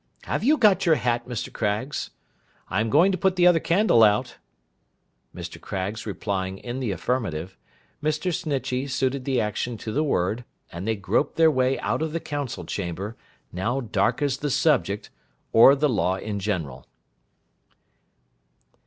Have you got your hat, Mr. Craggs? I am going to put the other candle out.' Mr. Craggs replying in the affirmative, Mr. Snitchey suited the action to the word, and they groped their way out of the council chamber, now dark as the subject, or the law in general.